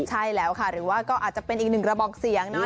ใช่แล้วค่ะหรือว่าก็อาจจะเป็นอีกหนึ่งระบอกเสียงนะ